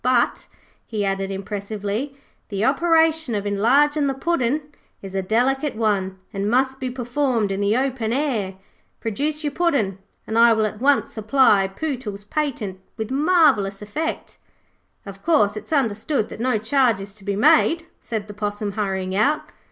But,' he added impressively, 'the operation of enlarging the puddin' is a delicate one, and must be performed in the open air. Produce your puddin', and I will at once apply Pootles's Patent with marvellous effect.' 'Of course it's understood that no charge is to be made,' said the Possum, hurrying out.